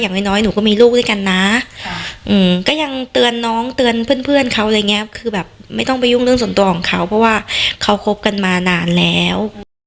น้อยหนูก็มีลูกด้วยกันนะก็ยังเตือนน้องเตือนเพื่อนเขาอะไรอย่างเงี้ยคือแบบไม่ต้องไปยุ่งเรื่องส่วนตัวของเขาเพราะว่าเขาคบกันมานานแล้ว